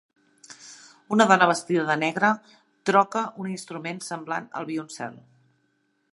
Una dona vestida de negre troca un instrument semblant al violoncel.